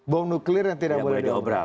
bom nuklir yang tidak boleh diobrak